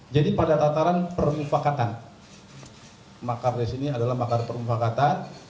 jadi pada tataran permufakatan makar disini adalah makar permufakatan